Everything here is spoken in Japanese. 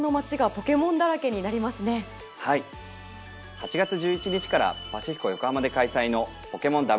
８月１１日からパシフィコ横浜で開催のポケモンＷＣＳ。